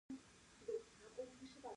پانګوال د دې اضافي ارزښت مالک دی